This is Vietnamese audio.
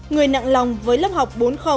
người nặng lòng với lớp học bốn